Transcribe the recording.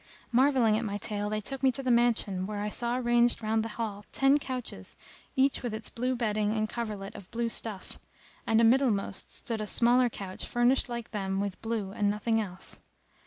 Marvelling at my tale they took me to the mansion, where I saw ranged round the hall ten couches each with its blue bedding and coverlet of blue stuff[FN#283] and amiddlemost stood a smaller couch furnished like them with blue and nothing else.